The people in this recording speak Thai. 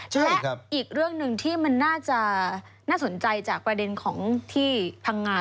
และอีกเรื่องหนึ่งที่มันน่าสนใจจากประเด็นปัญหา